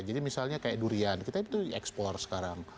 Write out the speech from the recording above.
jadi misalnya kayak durian kita itu ekspor sekarang